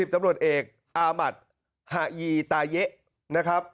๑๐ตำรวจเอกอาหมัดหายีตาเย็ก